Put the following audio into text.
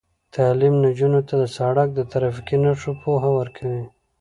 تعلیم نجونو ته د سړک د ترافیکي نښو پوهه ورکوي.